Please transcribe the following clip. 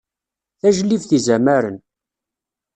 Tajlibt izamaren.